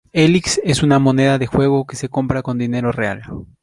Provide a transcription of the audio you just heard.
Helix es una moneda de juego que se compra con dinero real.